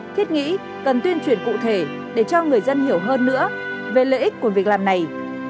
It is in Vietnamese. thiết nghĩ cần tuyên truyền cụ thể để cho người dân hiểu hơn nữa về lợi ích của việc làm này